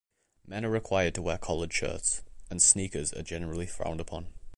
Men are required to wear collared shirts, and sneakers are generally frowned upon.